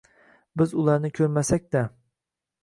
Biz ularni ko’rmasak-da